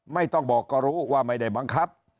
ไม่ต้องบอกก็รู้ว่าไม่ได้บังคับ